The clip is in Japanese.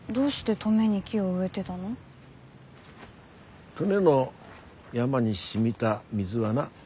登米の山にしみた水はな